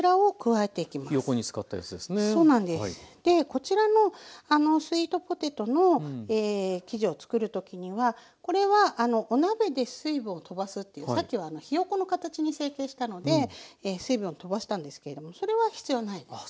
こちらのスイートポテトの生地をつくる時にはこれはお鍋で水分をとばすっていうさっきはひよこの形に成形したので水分をとばしたんですけれどもそれは必要ないです。